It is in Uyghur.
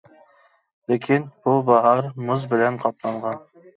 لېكىن بۇ باھار مۇز بىلەن قاپلانغان.